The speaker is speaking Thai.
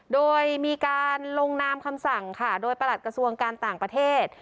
โดยมีการลงนามคำสั่งค่ะโดยประหลัดกระทรวงการต่างประเทศ